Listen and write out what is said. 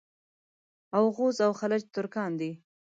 اوغوز او خَلَج ترکان دي.